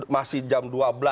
masih jam dua belas